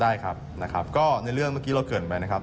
ได้ครับนะครับก็ในเรื่องเมื่อกี้เราเกิดไปนะครับ